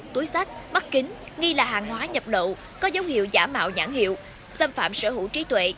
túi sách bắt kính nghi là hàng hóa nhập lậu có dấu hiệu giả mạo nhãn hiệu xâm phạm sở hữu trí tuệ